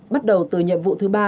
bắt đầu từ nhiệm vụ thứ ba